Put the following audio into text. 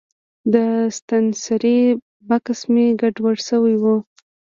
د ستنسرۍ بکس مې ګډوډ شوی و.